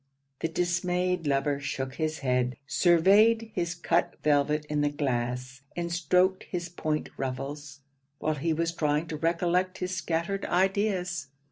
The dismayed lover shook his head, surveyed his cut velvet in the glass, and stroaked his point ruffles, while he was trying to recollect his scattered ideas.